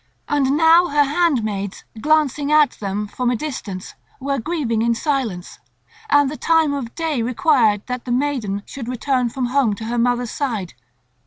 And now her handmaids, glancing at them from a distance, were grieving in silence; and the time of day required that the maiden should return home to her mother's side.